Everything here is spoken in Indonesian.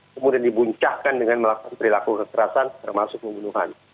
kemudian dibuncahkan dengan melakukan perilaku kekerasan termasuk pembunuhan